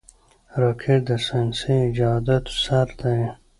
راکټ د ساینسي ایجاداتو سر دی